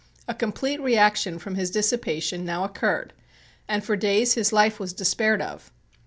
A complete reaction from his dissipation now occurred and for days his life was despaired of.